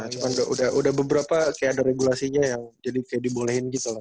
cuman udah beberapa kayak ada regulasinya yang jadi kayak dibolehin gitu lah